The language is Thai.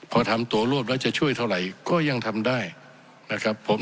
พอทำตัวร่วมแล้วจะช่วยเท่าไหร่ก็ยังทำได้นะครับผม